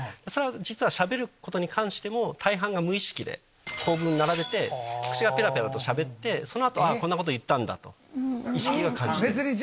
実はしゃべることに関しても大半が無意識で構文並べて口がペラペラとしゃべってその後こんなこと言ったんだと意識が感じてる。